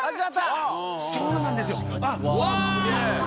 そうなんですよ。うわ！